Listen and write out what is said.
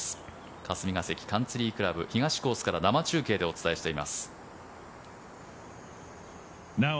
霞ヶ関カンツリー倶楽部東コースから生中継でお伝えしています。